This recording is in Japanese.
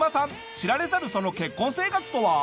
知られざるその結婚生活とは？